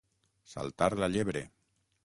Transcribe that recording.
Saltar la llebre.